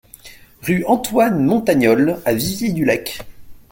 Rue Antoine Montagnole à Viviers-du-Lac